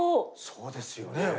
そうですよね。